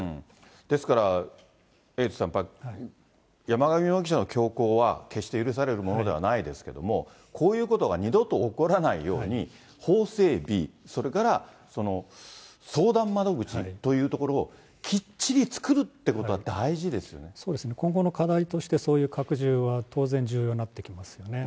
ですから、エイトさん、山上容疑者の凶行は、決して許されるものではないですけれども、こういうことが二度と起こらないように法整備、それから相談窓口というところをきっちり作るっていうことは大事そうですね、今後の課題として、そういう拡充は当然重要になってきますよね。